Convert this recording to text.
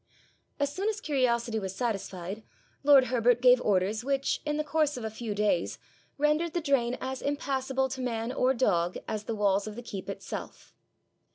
As soon as curiosity was satisfied, lord Herbert gave orders which, in the course of a few days, rendered the drain as impassable to manor dog as the walls of the keep itself.